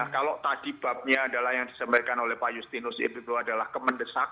kalau tadi babnya adalah yang disampaikan oleh pak justinus itu adalah kemendesak